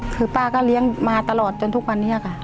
คือป้าก็เลี้ยงมาตลอดจนทุกวันนี้ค่ะ